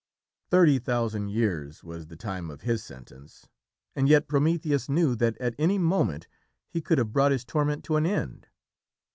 Thirty thousand years was the time of his sentence, and yet Prometheus knew that at any moment he could have brought his torment to an end.